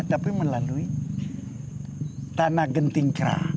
tapi melalui tanah gentingkra